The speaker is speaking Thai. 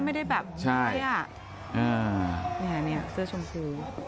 ไม่ได้แบบใช่นี่เสื้อชมพู